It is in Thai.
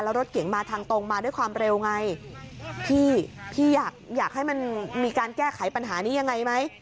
แล้วรถเก๋งมาทางตรงมาด้วยความเร็วไงพี่พี่อยากอยากให้มันมีการแก้ไขปัญหานี้ยังไงไหม